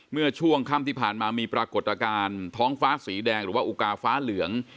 เมื่อช่วงค่ำที่ผ่านมามีปรากฏการณ์ท้องฟ้าสีแดงหรือว่าอุกาฟ้าเหลือง